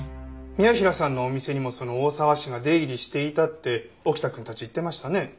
宮平さんのお店にもその大沢氏が出入りしていたって沖田くんたち言ってましたね。